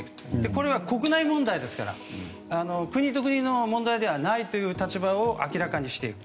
これは国内問題ですから国と国の問題ではないという立場を明らかにしていく。